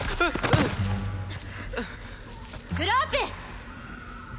グロウプ